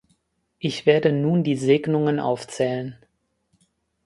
Ich werde nun die Segnungen aufzählen.